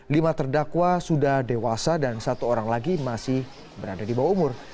lima terdakwa sudah dewasa dan satu orang lagi masih berada di bawah umur